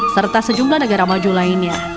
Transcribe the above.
serta sejumlah negara maju lainnya